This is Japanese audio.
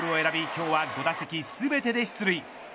今日は５打席全てで出塁。